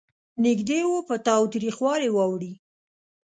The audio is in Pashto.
نېږدې و په تاوتریخوالي واوړي.